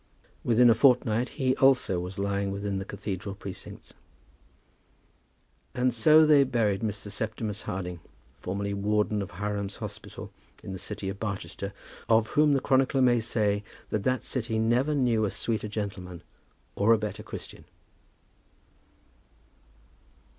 Within a fortnight he also was lying within the cathedral precincts. And so they buried Mr. Septimus Harding, formerly Warden of Hiram's Hospital in the city of Barchester, of whom the chronicler may say that that city never knew a sweeter gentleman or a better Christian.